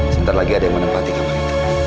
sebentar lagi ada yang menempati kamar itu